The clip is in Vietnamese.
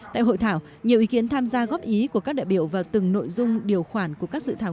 tại hội thảo nhiều ý kiến tham gia góp ý của các đại biểu vào từng nội dung điều khoản của các dự thảo